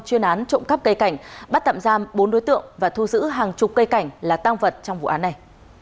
chuyên án trộm cắp cây cảnh bắt tạm giam bốn đối tượng và thu giữ hàng chục cây cảnh là tăng vật trong vụ án này